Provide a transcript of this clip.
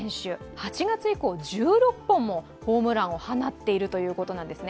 ８月以降１６本もホームランを放っているということなんですね。